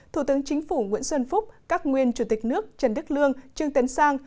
thủ tướng chính phủ nguyễn xuân phúc các nguyên chủ tịch nước trần đức lương trương tấn sang